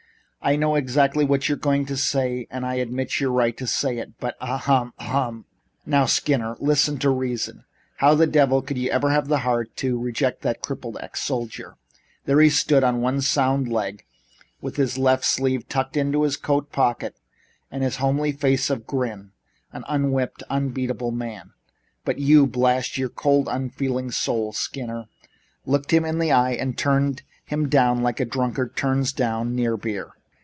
"I know exactly what you're going to say and I admit your right to say it, but as ahem! Harumph h h! now, Skinner, listen to reason. How the devil could you have the heart to reject that crippled ex soldier? There he stood, on one sound leg, with his sleeve tucked into his coat pocket and on his homely face the grin of an unwhipped, unbeatable man. But you blast your cold, unfeeling soul, Skinner! looked him in the eye and turned him down like a drunkard turns down near beer.